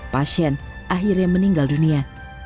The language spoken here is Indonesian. pasien akhirnya meninggal dunia